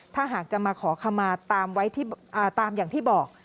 ถ้าหากจะมาขอคำมาตามอย่างที่บอก